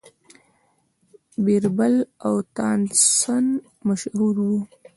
بیربل او تانسن مشهور وو.